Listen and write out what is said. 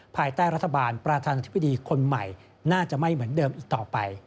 ภายใต้รัฐบาลประธานาธิบดีคนใหม่น่าจะไม่เหมือนเดิมอีกต่อไป